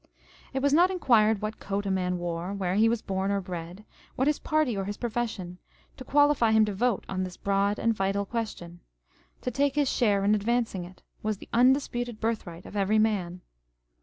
It was not inquired what coat a man wore, where he was born or bred, what was his party or his profession, to qualify him to vote on this broad and vital question ; â€" to take his share in advancing it, was the undisputed birthright of every free man.